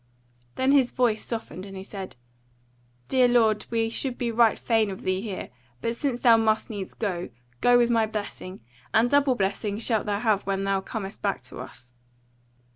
Then his voice softened, and he said: "Dear lord, we should be right fain of thee here, but since thou must needs go, go with my blessing, and double blessing shalt thou have when thou comest back to us."